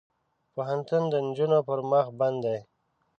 پوهنتون د نجونو پر مخ بند دی.